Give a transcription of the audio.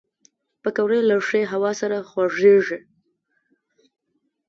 پکورې له ښې هوا سره خوږېږي